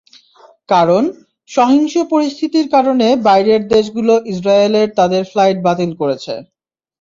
কারণ, সহিংস পরিস্থিতির কারণে বাইরের দেশগুলো ইসরায়েলে তাদের ফ্লাইট বাতিল করেছে।